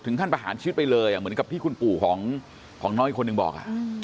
ขั้นประหารชีวิตไปเลยเหมือนกับที่คุณปู่ของน้อยอีกคนหนึ่งบอก